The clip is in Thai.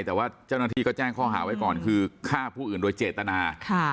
แต่ว่าเจ้าหน้าที่ก็แจ้งข้อหาไว้ก่อนคือฆ่าผู้อื่นโดยเจตนา